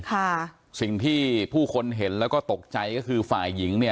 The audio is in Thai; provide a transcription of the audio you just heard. ค่ะสิ่งที่ผู้คนเห็นแล้วก็ตกใจก็คือฝ่ายหญิงเนี่ย